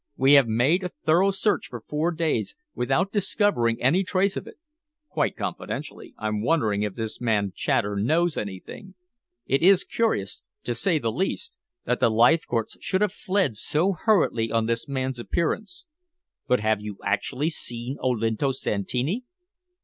We have made a thorough search for four days, without discovering any trace of it. Quite confidentially, I'm wondering if this man Chater knows anything. It is curious, to say the least, that the Leithcourts should have fled so hurriedly on this man's appearance. But have you actually seen Olinto Santini?"